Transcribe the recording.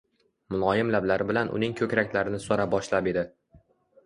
Muloyim lablari bilan uning ko‘kraklarini so‘ra boshlab edi